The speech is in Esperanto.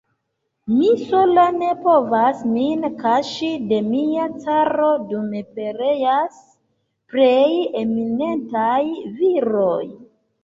Mi sola ne povas min kaŝi de mia caro, dume pereas plej eminentaj viroj.